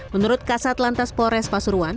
menurut kasat lantas polres pasuruan